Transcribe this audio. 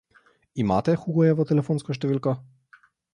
Imate Hugojevo telefonsko številko?